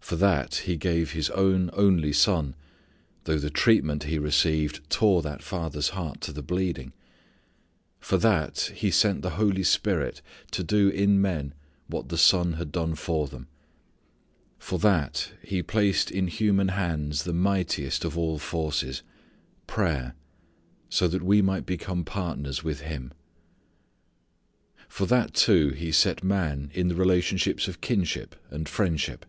For that He gave His own, only Son though the treatment He received tore that father's heart to the bleeding. For that He sent the Holy Spirit to do in men what the Son had done for them. For that He placed in human hands the mightiest of all forces prayer, that so we might become partners with Him. For that too He set man in the relationships of kinship and friendship.